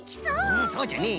うんそうじゃねえ！